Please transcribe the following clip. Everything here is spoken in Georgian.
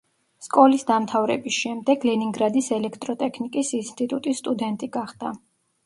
სკოლის დამთავრების შემდეგ ლენინგრადის ელექტროტექნიკის ინსტიტუტის სტუდენტი გახდა.